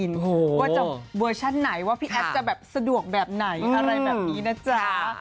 ว่าจะเวอร์ชั่นไหนว่าพี่แอฟจะแบบสะดวกแบบไหนอะไรแบบนี้นะจ๊ะ